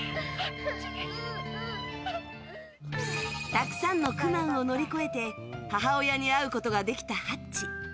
たくさんの苦難を乗り越えて母親に会うことができたハッチ。